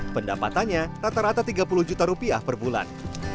pendapatannya rata rata tiga puluh juta rupiah per bulan